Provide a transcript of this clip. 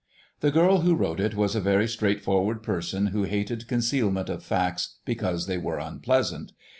The girl who wrote it was a very straight forward person who hated concealment of facts because they were unpleasant.